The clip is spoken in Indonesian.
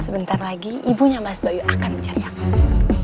sebentar lagi ibunya mas bayu akan mencari aku